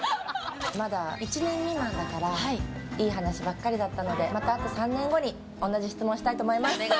まだ１年目なんだからいい話ばっかりだったのでまた３年後に同じ質問したいと思います。